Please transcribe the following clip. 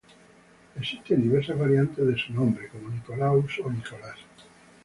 Existen diversas variantes de su nombre, como Nicolaus o Nicolas.